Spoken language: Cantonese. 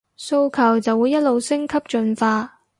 訴求就會一路升級進化